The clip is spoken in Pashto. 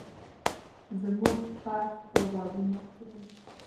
زموږ خر خپل غوږونه ښوروي.